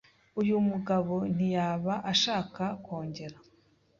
Uyu mugabo ntiyaba ashaka kongera